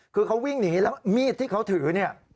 คือเขาวิ่งหนีแล้วมีดที่เขาถือเนี่ย